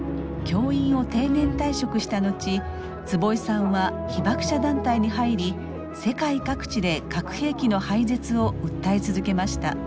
教員を定年退職した後坪井さんは被爆者団体に入り世界各地で核兵器の廃絶を訴え続けました。